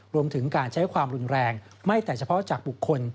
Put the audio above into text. รวมถึงการใช้ความรุนแรงไม่แต่เฉพาะจากบุคคล